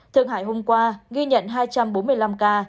thượng hải hôm qua ghi nhận hai trăm bốn mươi năm ca